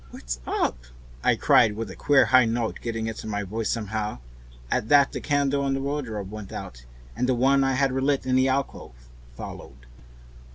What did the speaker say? "What's up?" I cried, with a queer high note getting into my voice somehow. At that the candle on the corner of the wardrobe went out, and the one I had relit in the alcove followed.